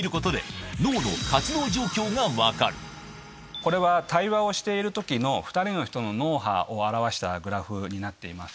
これは対話をしている時の２人の脳波を表したグラフになってます。